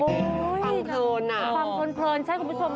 โอ้ยน้องฟังโทนนะฟังโทนใช่คุณผู้ชม